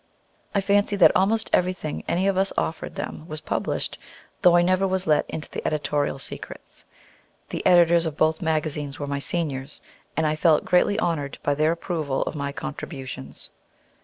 I fancy that almost everything any of us offered them was published, though I never was let in to editorial secrets. The editors of both magazines were my seniors, and I felt greatly honored by their approval of my contributions.